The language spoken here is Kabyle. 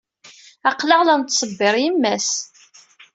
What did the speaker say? Aql-aɣ la nettṣebbir yemma-s.